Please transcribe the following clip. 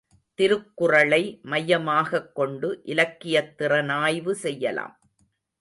திருக்குறளை மையமாகக்கொண்டு இலக்கியத்திறனாய்வு செய்யலாம்.